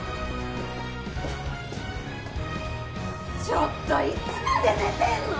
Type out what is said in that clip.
ちょっといつまで寝てんの！